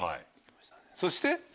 そして。